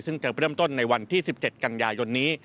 ซึ่งจะเริ่มต้นในวันที่๑๗กันยายนนี้